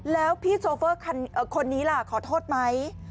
แล้วพี่โชเฟอร์คนนี้ล่ะขอโทษไหม